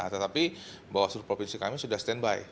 tetapi bawaslu provinsi kami sudah standby